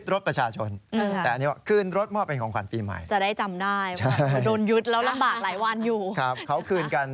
รถจักรยานยนต์โอ้โหเยอะเลย